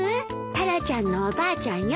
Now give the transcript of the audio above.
タラちゃんのおばあちゃんよ。